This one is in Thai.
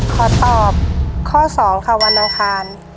ขอตอบข้อ๒ค่ะวันอังคาร